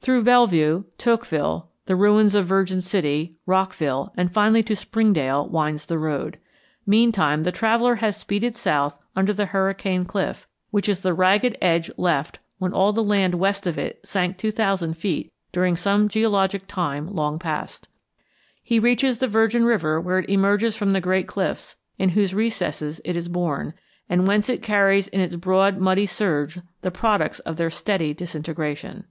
Through Bellevue, Toquerville, the ruins of Virgin City, Rockville, and finally to Springdale winds the road. Meantime the traveller has speeded south under the Hurricane Cliff, which is the ragged edge left when all the land west of it sank two thousand feet during some geologic time long past. He reaches the Virgin River where it emerges from the great cliffs in whose recesses it is born, and whence it carries in its broad muddy surge the products of their steady disintegration.